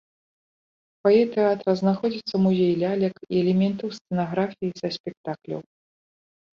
У фае тэатра знаходзіцца музей лялек і элементаў сцэнаграфіі са спектакляў.